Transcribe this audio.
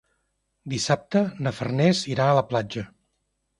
Dissabte na Farners irà a la platja.